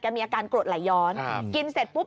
มีอาการกรดไหลย้อนกินเสร็จปุ๊บ